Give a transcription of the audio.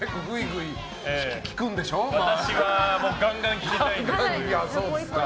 私はガンガン聞きたいんです。